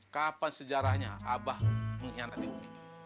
kapan sejarahnya abah mengkhianati umi